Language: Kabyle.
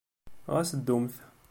Ɣas ddumt.